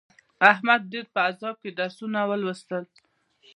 احمد ډېر په عذاب کې درسونه ولوستل.